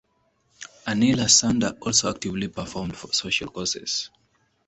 Anila Sunder also actively performed for social causes.